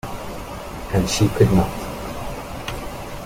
And she could not.